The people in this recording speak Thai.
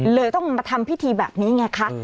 เลยต้องมาทำพิธีแบบนี้ไงคะ